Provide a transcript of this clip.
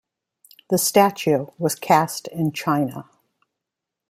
The statue was cast in China.